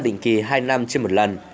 định kỳ hai năm trên một lần